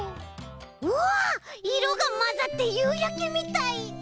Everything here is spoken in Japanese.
うわいろがまざってゆうやけみたい！